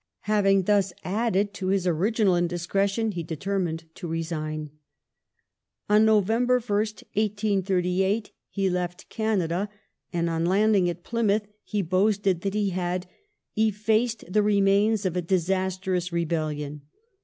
Having thus added to his original indisci etion he determined to resign. On November 1st, 1838, he left Canada, and on landing at Plymouth he boasted that he had " effaced the remains of a disastrous rebellion